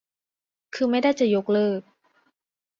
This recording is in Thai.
คือไม่ได้จะยกเลิก